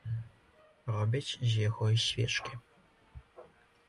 Робяць з яго і свечкі.